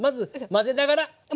混ぜながら。